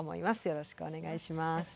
よろしくお願いします。